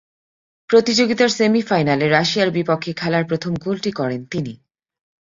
প্রতিযোগিতার সেমি ফাইনালে রাশিয়ার বিপক্ষে খেলার প্রথম গোলটি করেন তিনি।